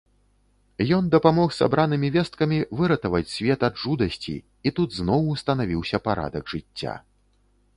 Ён дапамог сабранымі весткамі выратаваць свет ад жудасці, і тут зноў устанавіўся парадак жыцця.